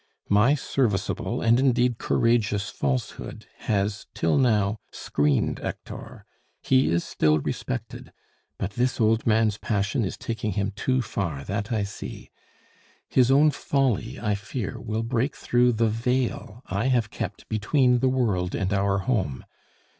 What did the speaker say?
My serviceable and indeed courageous falsehood has, till now, screened Hector; he is still respected; but this old man's passion is taking him too far, that I see. His own folly, I fear, will break through the veil I have kept between the world and our home.